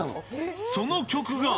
その曲が。